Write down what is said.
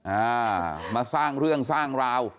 อ่ามาสร้างเรื่องสร้างราว